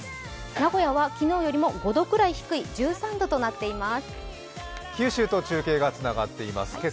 名古屋は昨日よりも５度くらい低い１３度となっています。